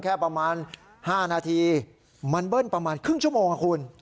แค่ประมาณ๕นาทีมันเบิ้ลประมาณครึ่งชั่วโมงนะคุณ